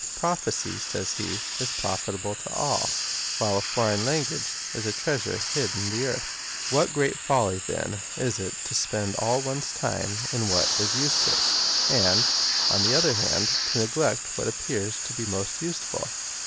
" Prophecy," says he, " is profitable to all, while a foreign language is a treasure hid in the earth. Wliat great folly, then, it is to spend all one's time in what is useless, and, on the other hand, to neglect what appears to be most useful